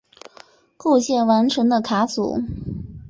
构建完成的卡组。